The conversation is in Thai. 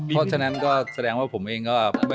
แปลงว่าผมเองก็อะ